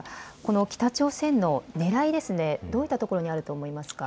北朝鮮のねらい、どういったところにあると思いますか。